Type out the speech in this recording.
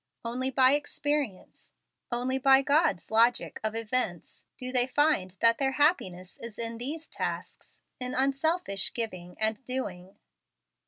Only by experience only by God's logic of events do they find that their happiness is in these tasks; in unselfish giving and doing.